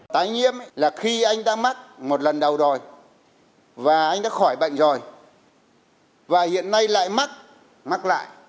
tái nhiễm là khi anh đã mắc một lần đầu rồi và anh đã khỏi bệnh rồi và hiện nay lại mắc mắc lại